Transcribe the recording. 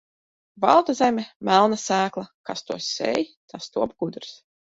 Balta zeme, melna sēkla, kas to sēj, tas top gudrs.